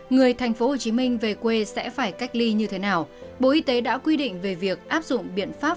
người tp hcm về quê sẽ phải cách ly như thế nào bộ y tế đã quy định về việc áp dụng biện pháp